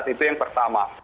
itu yang pertama